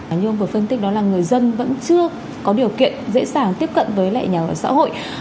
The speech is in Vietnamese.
như ông vừa phân tích đó là người dân vẫn chưa có điều kiện dễ dàng tiếp cận với lại nhà ở xã hội